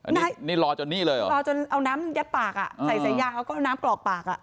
นี่นี่รอจนนี่เลยเหรอรอจนเอาน้ำยัดปากอ่ะใส่สายยางแล้วก็เอาน้ำกรอกปากอ่ะ